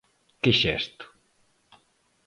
¿Que xesto?